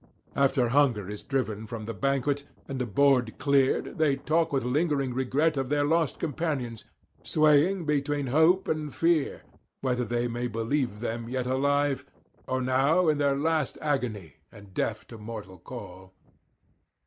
After hunger is driven from the banquet, and the board cleared, they talk with lingering regret of their lost companions, swaying between hope and fear, whether they may believe them yet alive, or now in their last agony and deaf to mortal call.